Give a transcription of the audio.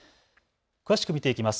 詳しく見ていきます。